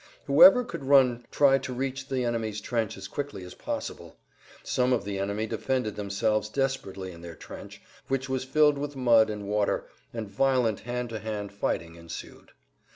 Whoever could run tried to reach the enemy's trench as quickly as possible. Some of the enemy defended themselves desperately in their trench, which was filled with mud and water, and violent hand to hand fighting ensued.